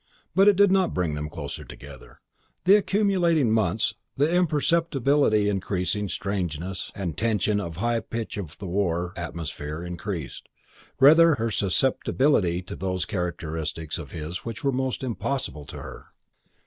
But it did not bring them closer together: the accumulating months, the imperceptibly increasing strangeness and tension and high pitch of the war atmosphere increased, rather, her susceptibility to those characteristics of his which were most impossible to her.